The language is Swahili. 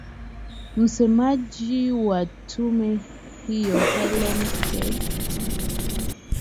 msemaji wa tume hiyo hellen kent